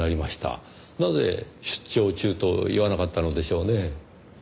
なぜ出張中と言わなかったのでしょうねぇ。